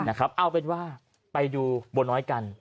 เอาเป็นว่าไปดูบัวน้อยกัน